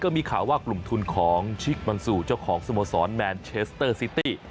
มีข่าวว่ากลุ่มทุนของชิคมันสู่เจ้าของสโมสรแมนเชสเตอร์ซิตี้